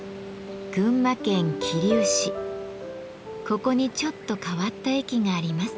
ここにちょっと変わった駅があります。